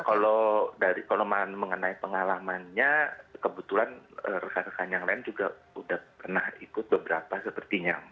kalau dari koloman mengenai pengalamannya kebetulan rekan rekan yang lain juga sudah pernah ikut beberapa sepertinya